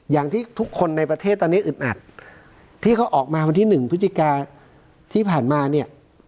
อย่างที่ทุกคนในประเทศตอนนี้อึดอัดที่เขาออกมาวันที่๑พฤศจิกาที่ผ่านมาเนี่ย